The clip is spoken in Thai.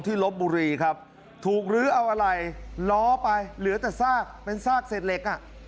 ลบบุรีครับถูกลื้อเอาอะไรล้อไปเหลือแต่ซากเป็นซากเศษเหล็กอ่ะ